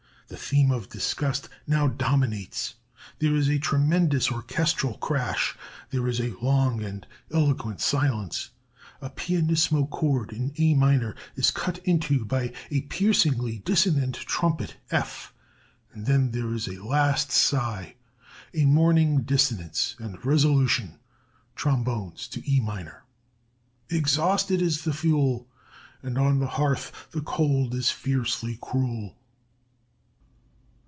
The theme of 'Disgust' now dominates. There is a tremendous orchestral crash; there is long and eloquent silence. A pianissimo chord in A minor is cut into by a piercingly dissonant trumpet F, and then there is a last sigh, a mourning dissonance and resolution (trombones) to E minor. "'Exhausted is the fuel, And on the hearth the cold is fiercely cruel.'"